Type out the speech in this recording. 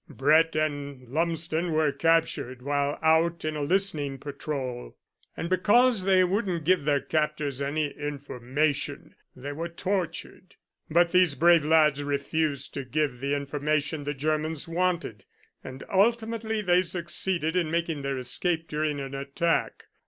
Brett and Lumsden were captured while out in a listening patrol, and because they wouldn't give their captors any information they were tortured. But these brave lads refused to give the information the Germans wanted, and ultimately they succeeded in making their escape during an attack.